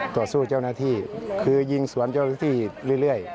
ต่อสู้เจ้าหน้าที่คือยิงสวนเจ้าหน้าที่เรื่อย